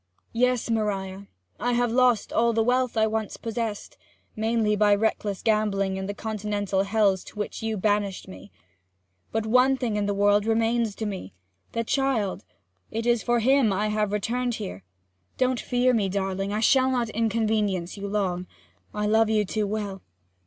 'Yes, Maria I have lost all the wealth I once possessed mainly by reckless gambling in the Continental hells to which you banished me. But one thing in the world remains to me the child and it is for him that I have intruded here. Don't fear me, darling! I shall not inconvenience you long; I love you too well!